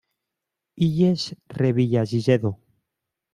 Illes Revillagigedo.